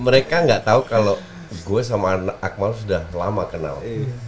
mereka nggak tahu kalau gue sama anak akmal sudah lama kenal